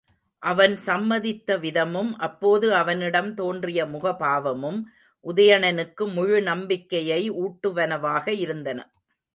அவன் சம்மதித்தவிதமும் அப்போது அவனிடம் தோன்றிய முகபாவமும் உதயணனுக்கு முழு நம்பிக்கையை ஊட்டுவனவாக இருந்தன.